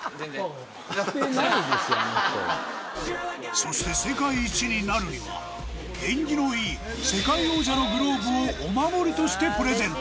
そして世界一になるには縁起のいい世界王者のグローブをお守りとしてプレゼント